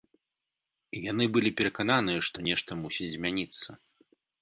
Яны былі перакананыя, што нешта мусіць змяніцца.